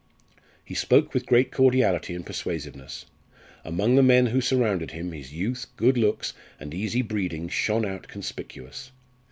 He spoke with great cordiality and persuasiveness. Among the men who surrounded him, his youth, good looks, and easy breeding shone out conspicuous.